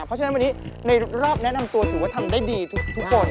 เพราะฉะนั้นวันนี้ในรอบแนะนำตัวถือว่าทำได้ดีทุกคน